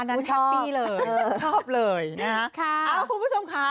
อันนั้นแชปปี้เลยชอบเลยนะค่ะเอาละคุณผู้ชมค่ะ